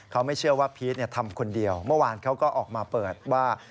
เขาไม่เชื่อว่าพีชทำคนเดียวเมื่อวานเขาก็ออกมาเปิดว่า